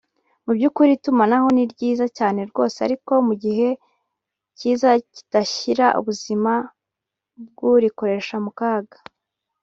Mu by’ukuri itumanaho ni ryiza cyane rwose ariko mu gihe cyiza kidashyira ubuzima bw’urikoresha mu kaga